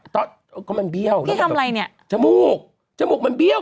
ตอนที่เขาเนี่ยก็มันเบี้ยว